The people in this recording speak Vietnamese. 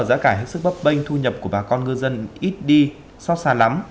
giá cả hết sức bấp bênh thu nhập của bà con ngư dân ít đi xót xa lắm